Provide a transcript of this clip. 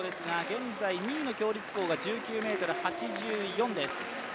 現在２位の鞏立コウが１９ｍ８４です。